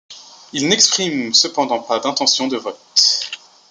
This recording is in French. Il n'exprime cependant pas d'intention de vote.